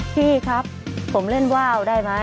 พี่ครับผมเล่นว่าวได้ไหม